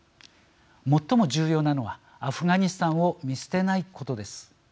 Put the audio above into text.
最も重要なのはアフガニスタンを見捨てないことです。